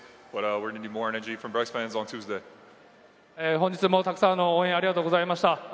本日もたくさんの応援をありがとうございました。